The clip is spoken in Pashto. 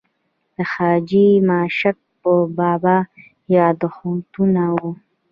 د حاجي ماشک په باب یاداښتونه و.